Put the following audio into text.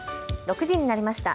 ６時になりました。